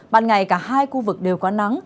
bạn ngày cả hai khu vực đều có nắng